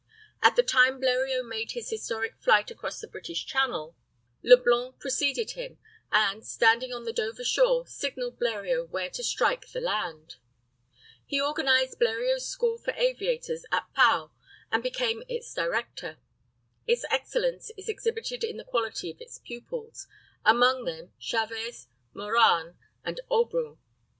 At the time Bleriot made his historic flight across the British Channel, Leblanc preceded him, and, standing on the Dover shore, signalled Bleriot where to strike the land. He organized Bleriot's school for aviators at Pau, and became its director. Its excellence is exhibited in the quality of its pupils; among them Chavez, Morane, and Aubrun.